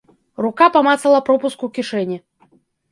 Рука памацала пропуск у кішэні.